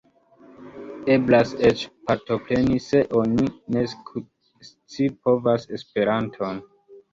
Eblas eĉ partopreni se oni ne scipovas Esperanton.